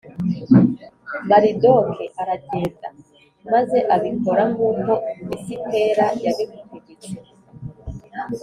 maridoke aragenda maze abikora nk’uko esitera yabimutegetse.